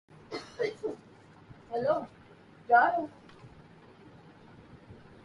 سکر awards تقریب virtual نہیں ہر سال کی طرح ہوگی انتظامیہ